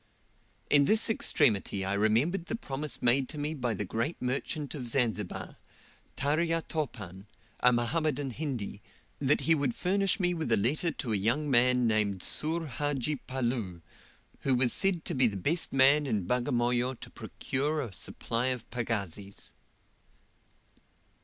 In this extremity I remembered the promise made to me by the great merchant of Zanzibar Tarya Topan a Mohammedan Hindi that he would furnish me with a letter to a young man named Soor Hadji Palloo, who was said to be the best man in Bagamoyo to procure a supply of pagazis.